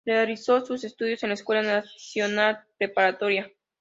Realizó sus estudios en la Escuela Nacional Preparatoria.